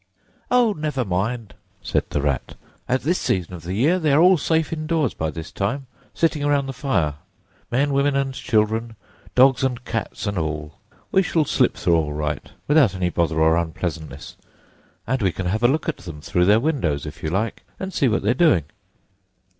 "Oh, never mind!" said the Rat. "At this season of the year they're all safe indoors by this time, sitting round the fire; men, women, and children, dogs and cats and all. We shall slip through all right, without any bother or unpleasantness, and we can have a look at them through their windows if you like, and see what they're doing."